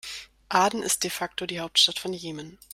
Aden ist de facto die Hauptstadt von Jemen.